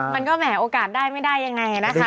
มันก็แหมโอกาสได้ไม่ได้ยังไงนะคะ